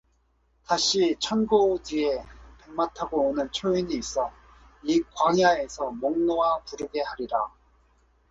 다시 천고의 뒤에 백마 타고 오는 초인이 있어 이 광야에서 목놓아 부르게 하리라.